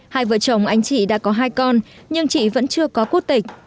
hai vợ chồng anh chị đã có hai con nhưng chị vẫn chưa có quốc tịch